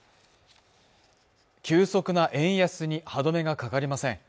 急速な円安に歯止めがかかりません